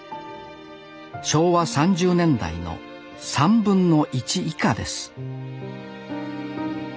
昭和３０年代の３分の１以下です